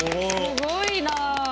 すごいなあ。